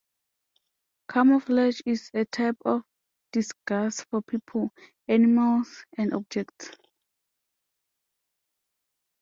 Camouflage is a type of disguise for people, animals and objects.